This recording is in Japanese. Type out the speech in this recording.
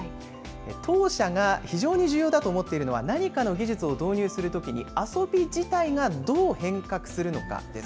当社が非常に重要だと思っているのは何かの技術を導入するときに遊び自体がどう変革するのかです。